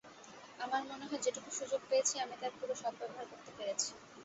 আমার মনে হয়, যেটুকু সুযোগ পেয়েছি, আমি তার পুরো সদ্ব্যবহার করতে পেরেছি।